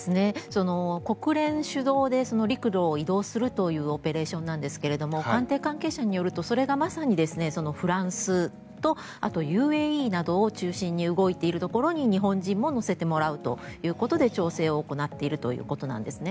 国連主導で陸路を移動するというオペレーションなんですが官邸関係者によるとそれがまさにフランスとあとＵＡＥなどを中心に動いているところに日本人も乗せてもらうということで調整を行っているということなんですね。